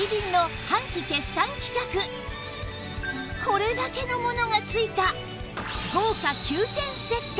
これだけのものが付いた